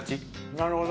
なるほど。